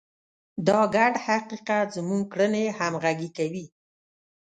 دا ګډ حقیقت زموږ کړنې همغږې کوي.